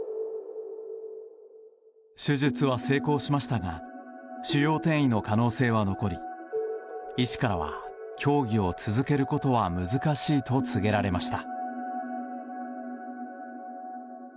手術は成功しましたが腫瘍転移の可能性は残り医師からは競技を続けることは難しいと告げられました。